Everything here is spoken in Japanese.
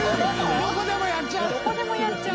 どこでもやっちゃう。